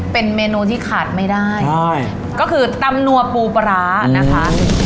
เป็นเมนูที่ขาดไม่ได้ใช่ก็คือตำนัวปูปลาร้านะคะ